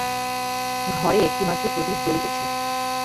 ঘরে একটি মাত্র প্রদীপ জ্বলিতেছে।